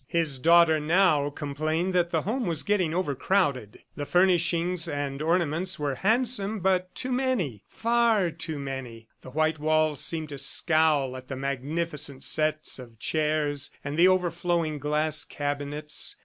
His daughter now complained that the home was getting overcrowded. The furnishings and ornaments were handsome, but too many ... far too many! The white walls seemed to scowl at the magnificent sets of chairs and the overflowing glass cabinets.